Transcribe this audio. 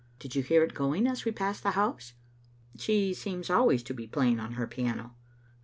Did you hear it going as we passed the house?" " She seems always to be playing on her piano."